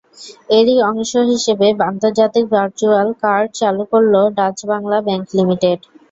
এরই অংশ হিসেবে আন্তর্জাতিক ভার্চ্যুয়াল কার্ড চালু করল ডাচ্-বাংলা ব্যাংক লিমিটেড।